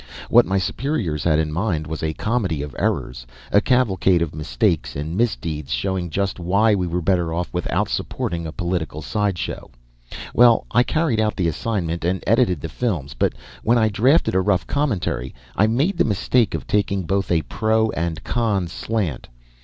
What my superiors had in mind was a comedy of errors; a cavalcade of mistakes and misdeeds showing just why we were better off without supporting a political sideshow. Well, I carried out the assignment and edited the films, but when I drafted a rough commentary, I made the mistake of taking both a pro and con slant.